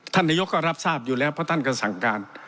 นายกก็รับทราบอยู่แล้วเพราะท่านก็สั่งการ